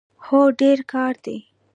هو، ډیر کار دی